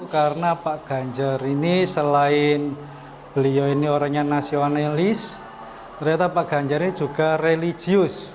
karena pak ganjar ini selain beliau ini orangnya nasionalis ternyata pak ganjar ini juga religius